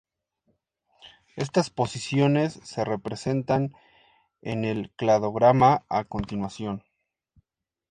Estas posiciones se representan en el cladograma a continuación.